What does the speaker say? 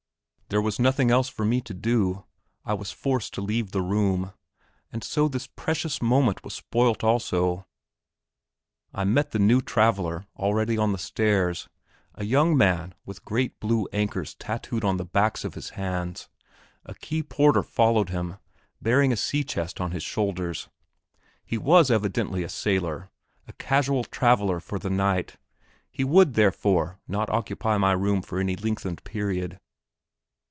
There was nothing else for me to do. I was forced to leave the room. And so this precious moment was spoilt also. I met the new traveller already on the stairs; a young man with great blue anchors tattooed on the backs of his hands. A quay porter followed him, bearing a sea chest on his shoulders. He was evidently a sailor, a casual traveller for the night; he would therefore not occupy my room for any lengthened period.